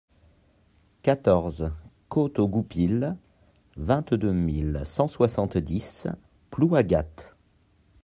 quatorze côte aux Goupils, vingt-deux mille cent soixante-dix Plouagat